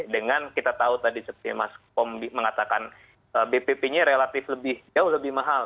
dengan kita tahu tadi seperti mas pom mengatakan bpp nya relatif lebih jauh lebih mahal